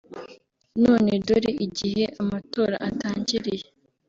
none dore igihe amatora atangiriye